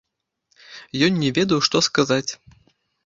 Ён не ведаў, што сказаць.